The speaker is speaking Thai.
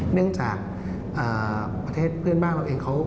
เนื่องจากประเทศเพื่อนบ้านเราเอง